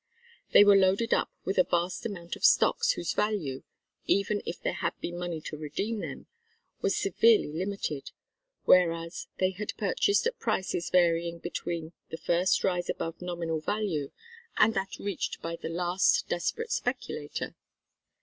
They were loaded up with a vast amount of stocks whose value, even if there had been money to redeem them, was severely limited, whereas they had purchased at prices varying between the first rise above nominal value and that reached by the last desperate speculator.